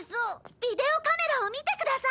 ビデオカメラを見てください。